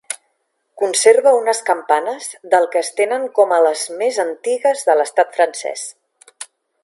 Conserva unes campanes del que es tenen com a les més antigues de l'estat francès.